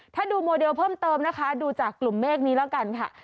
ถ้าดูโมเดลเพิ่มเติมนะคะดูจากกลุ่มเมฆนี้แล้วกันค่ะ